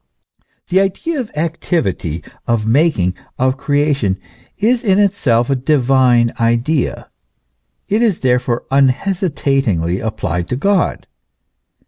The idea of activity, of making, of creation, is in itself a divine idea; it is therefore unhesitatingly applied to God.